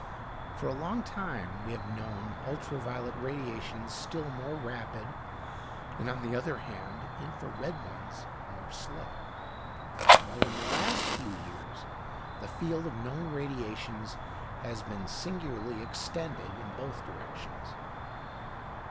For a long time we have known ultra violet radiations still more rapid, and, on the other hand, infra red ones more slow, while in the last few years the field of known radiations has been singularly extended in both directions.